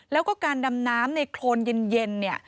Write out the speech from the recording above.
แล้วก็การดำน้ำในโครนเย็น